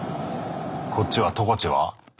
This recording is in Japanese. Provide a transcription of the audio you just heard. こっちは十勝は？